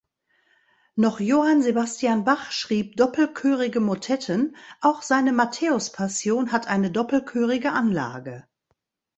Noch Johann Sebastian Bach schrieb doppelchörige Motetten, auch seine Matthäuspassion hat eine doppelchörige Anlage.